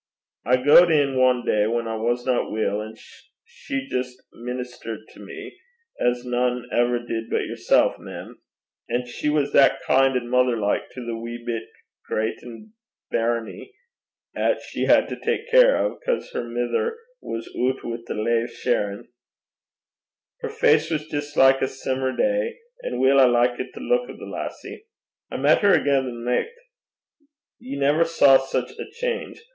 I gaed in ae day whan I wasna weel; an' she jist ministert to me, as nane ever did but yersel', mem. An' she was that kin' an' mither like to the wee bit greitin' bairnie 'at she had to tak care o' 'cause her mither was oot wi' the lave shearin'! Her face was jist like a simmer day, an' weel I likit the luik o' the lassie! I met her again the nicht. Ye never saw sic a change.